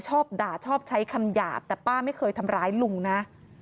ชอบด่าชอบใช้คำหยาบแต่ป้าไม่เคยทำร้ายลุงนะ